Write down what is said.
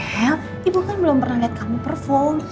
hel ibu kan belum pernah lihat kamu perform